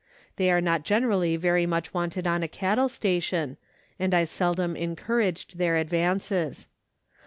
They are not generally very much wanted on a cattle station, and I seldom encouraged their advances.